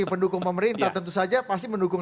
pendukung pemerintah tentu saja pasti mendukung